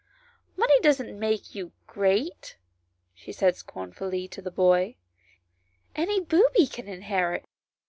Money doesn't make you great," she said scornfully to the boy ;" any booby can inherit."